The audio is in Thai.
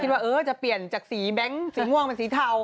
ก็คิดว่าเออจะเปลี่ยนจากสีแบ๊งสีม่วงมาสีเทา